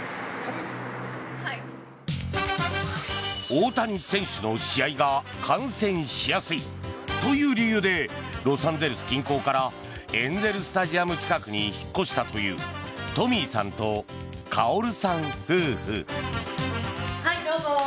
大谷選手の試合が観戦しやすいという理由でロサンゼルス近郊からエンゼル・スタジアム近くに引っ越したというトミーさんとカオルさん夫婦。